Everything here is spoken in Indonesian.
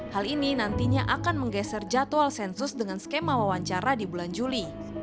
hal ini nantinya akan menggeser jadwal sensus dengan skema wawancara di bulan juli